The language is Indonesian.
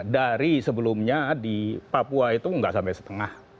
dari sebelumnya di papua itu nggak sampai setengah